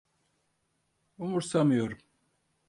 Umursamıyorum.